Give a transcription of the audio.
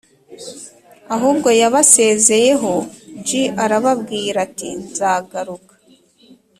Ahubwo yabasezeyeho j arababwira ati nzagaruka